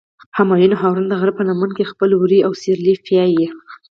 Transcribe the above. همایون او هارون د غره په لمن کې خپل وري او سرلي پیایی.